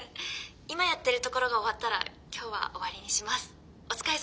今やってるところが終わったら今日は終わりにします。